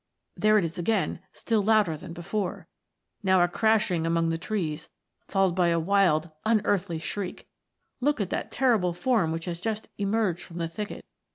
There it is again, still louder than before ! Now a crashing among the trees, followed by a wild unearthly shriek. Look at that terrible form which has just emerged from the thicket.